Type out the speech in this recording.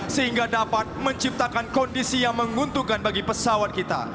sehingga dapat menciptakan kondisi yang menguntungkan bagi pesawat kita